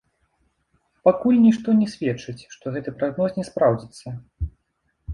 Пакуль нішто не сведчыць, што гэты прагноз не спраўдзіцца.